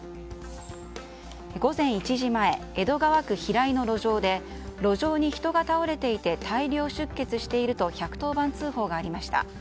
午前１時前江戸川区平井の路上で路上に人が倒れていて大量出血していると１１０番通報がありました。